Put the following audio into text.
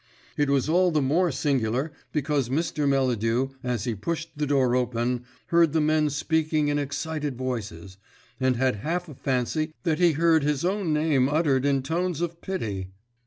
It was all the more singular because Mr. Melladew, as he pushed the door open, heard the men speaking in excited voices, and had half a fancy that he heard his own name uttered in tones of pity.